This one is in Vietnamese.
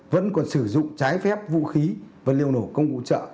vẫn còn sử dụng trái phép vũ khí vật liệu nổ công cụ hỗ trợ